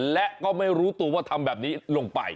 และก็ไม่รู้ตัวว่าทำแบบนี้ลงไป